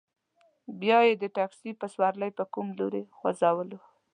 بیا یې د تکسي په سورلۍ په کوم لوري ځوځولو.